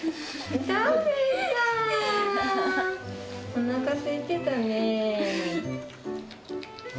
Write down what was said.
おなかすいてたね。